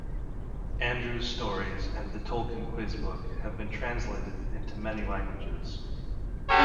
Andrew's stories and "The Tolkien Quiz Book" have been translated into many languages.